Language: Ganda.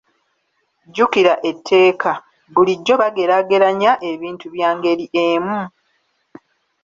Jjukira etteeka: Bulijjo bageraageranya ebintu bya ngeri emu.